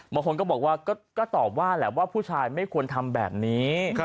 บางคนก็บอกว่าก็ตอบว่าแหละว่าผู้ชายไม่ควรทำแบบนี้